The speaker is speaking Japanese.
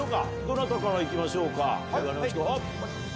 どなたからいきましょうか？